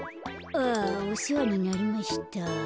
あおせわになりました。